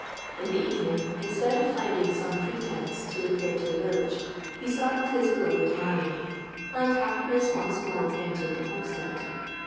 In the evening, instead of finding some pretence to repair to the village, he sate with his beloved Marion; and happiness once more entered the homestead.